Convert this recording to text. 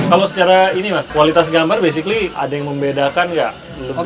kalau secara ini mas kualitas gambar basically ada yang membedakan nggak